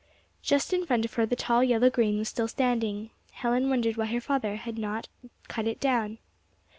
Just in front of her the tall yellow grain was still standing. Helen wondered why her father had not cut it down.